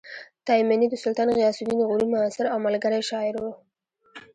تایمني د سلطان غیاث الدین غوري معاصر او ملګری شاعر و